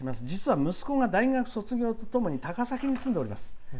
実は、息子が大学卒業とともに高崎に住んでおります」。